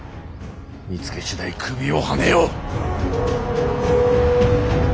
見つけ次第首をはねよ。